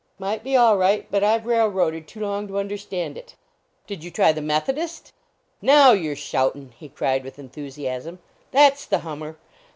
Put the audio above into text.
Might be all right, but I ve railroaded too long to under stand it." " Did you try the Methodist?" " Now you re shoutin !" he cried with en thusiasm; " that s the hummer